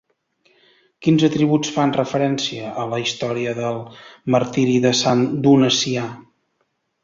Quins atributs fan referència a la història del martiri de Sant Donacià?